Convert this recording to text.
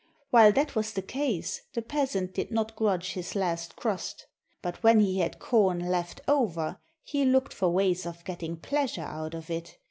While that was the case, the peasant did not grudge his last crust. But when he had corn leftover, he looked for ways of getting pleasure out of it.